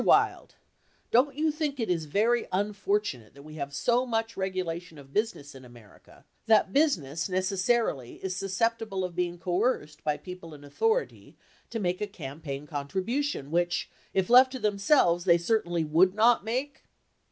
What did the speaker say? Wild, don't you think it is very un fortunate that we have so much regulation of business in America that business necessarily is susceptible of being co erced by people in authority to make a campaign contribution which, if left to themselves, they certainly would not make?